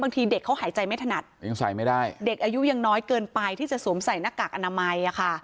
เด็กเขาหายใจไม่ถนัดยังใส่ไม่ได้เด็กอายุยังน้อยเกินไปที่จะสวมใส่หน้ากากอนามัยอ่ะค่ะ